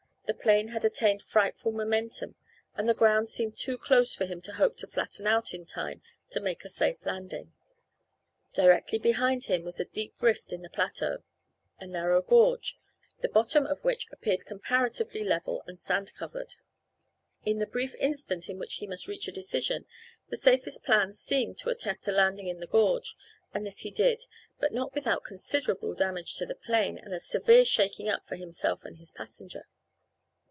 The plane had attained frightful momentum, and the ground seemed too close for him to hope to flatten out in time to make a safe landing. Directly beneath him was a deep rift in the plateau, a narrow gorge, the bottom of which appeared comparatively level and sand covered. In the brief instant in which he must reach a decision, the safest plan seemed to attempt a landing in the gorge, and this he did, but not without considerable damage to the plane and a severe shaking up for himself and his passenger.